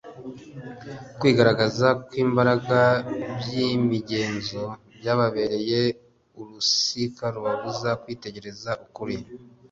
Kwigariza kw'imbaraga by'imigenzo byababereye urusika rubabuza kwitegereza ukuri.